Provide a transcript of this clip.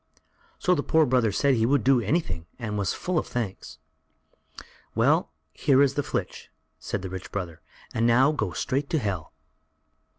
So the poor brother said he would do anything and was full of thanks. "Well, here is the flitch," said the rich brother, "and now go straight to Hell."